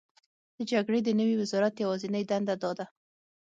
د جګړې د نوي وزرات یوازینۍ دنده دا ده: